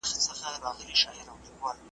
هغه کسان چي کتاب لولي د ژوند له ستونزو سره ښه ,